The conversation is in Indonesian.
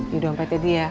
di dompetnya dia